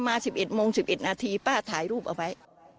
มา๑๑โมง๑๑นาทีป้าถ่ายรูปเอาไว้